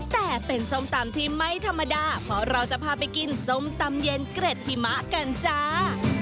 แต่เป็นส้มตำที่ไม่ธรรมดาเพราะเราจะพาไปกินส้มตำเย็นเกร็ดหิมะกันจ้า